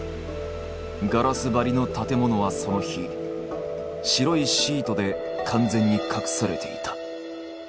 ガラス張りの建物はその日白いシートで完全に隠されていた。